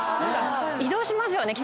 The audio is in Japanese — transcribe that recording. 移動しますよね